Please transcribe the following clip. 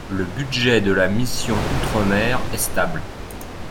Le budget de la mission Outre-mer est stable.